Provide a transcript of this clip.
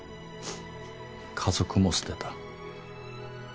家族も捨てた。